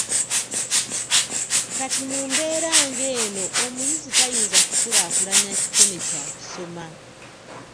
Kati mu mbeera ng'eno omuyizi tayinza kukulaakulanya kitone kya kusoma.